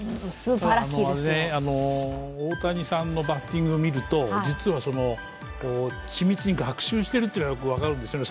大谷さんのバッティングを見ると、実は緻密に学習しているのがよく分かるんですね。